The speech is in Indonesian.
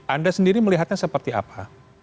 anda sendiri melihatnya seperti apa